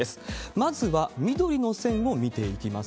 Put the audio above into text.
まずは、緑の線を見ていきます。